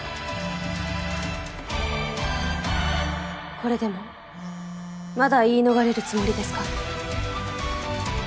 これでもまだ言い逃れるつもりですか。